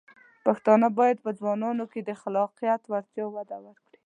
پښتانه بايد په ځوانانو کې د خلاقیت وړتیاوې وده ورکړي.